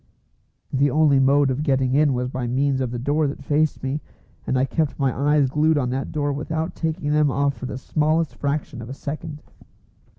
The only mode of getting in was by means of the door that faced me, and I kept my eyes glued on that door without taking them off for the smallest fraction of a second.